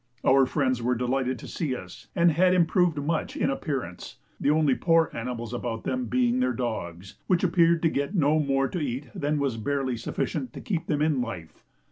Our friends were delighted to see us, and had improved much in appearance, the only poor animals about them being their dogs, which appeared to get no more to eat than was barely sufficient to keep them in life.